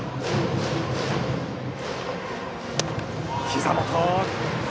ひざ元。